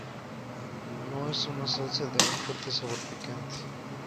No es una salsa de un fuerte sabor picante.